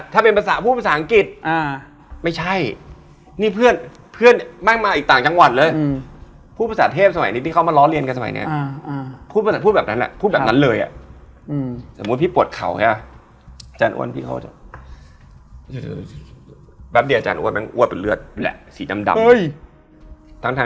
แต่นางก็จะรู้กราธิสะว่า